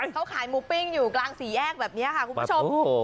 เขาขายหมูปิ้งอยู่กลางสี่แยกแบบนี้ค่ะคุณผู้ชม